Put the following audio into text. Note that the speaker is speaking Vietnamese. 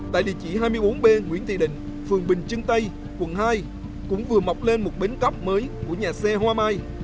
tại địa chỉ hai mươi bốn b nguyễn thị định phường bình trưng tây quận hai cũng vừa mọc lên một bến cóc mới của nhà xe hoa mai